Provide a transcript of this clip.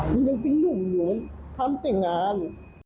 มันยังเป็นหลุมหลุมทำติงงาน